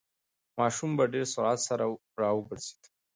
ماشوم په ډېر سرعت سره راوگرځېد.